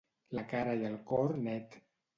La cara i el cor net.